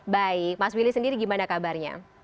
baik mas willy sendiri gimana kabarnya